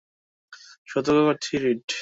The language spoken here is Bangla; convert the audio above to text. সতর্ক করছি, রীড!